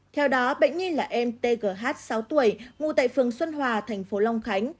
theo đó bệnh nhi là em tgh sáu tuổi ngụ tại phường xuân hòa thành phố long khánh